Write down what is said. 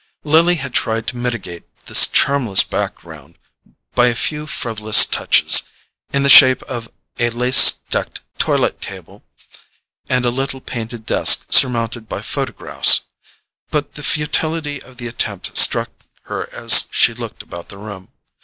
Lily had tried to mitigate this charmless background by a few frivolous touches, in the shape of a lace decked toilet table and a little painted desk surmounted by photographs; but the futility of the attempt struck her as she looked about the room.